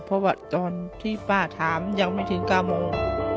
เพราะว่าตอนที่ป้าถามยังไม่ถึง๙โมง